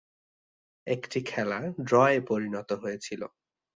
একটি খেলা ড্রয়ে পরিণত হয়েছিল।